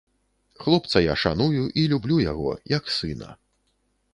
Хлопца я шаную і люблю яго, як сына.